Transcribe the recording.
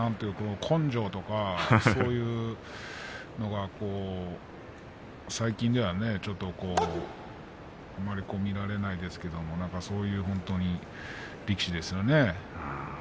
根性とか、そういうのが最近ではあまり見られないですけどそういう力士ですよね。